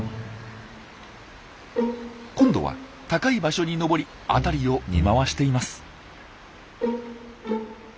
今度は高い場所に登り辺りを見回しています。